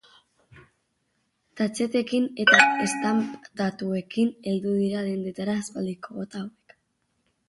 Tatxetekin eta estanptauekin heldu dira dendetara aspaldiko bota hauek.